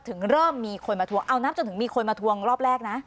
เริ่มมีคนมาทวงเอานับจนถึงมีคนมาทวงรอบแรกนะ